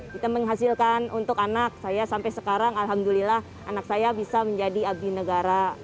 kita menghasilkan untuk anak saya sampai sekarang alhamdulillah anak saya bisa menjadi abdi negara